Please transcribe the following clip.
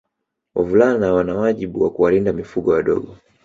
Wavulana wana wajibu wa kuwalinda mifugo wadogo